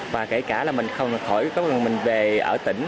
và kể cả là mình không khỏi có quyền mình về ở tỉnh